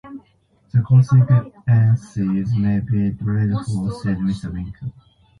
‘The consequences may be dreadful,’ said Mr. Winkle.